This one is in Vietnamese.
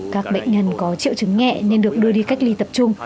các bệnh nhân có triệu chứng nhẹ nên được đưa đi cách ly tập trung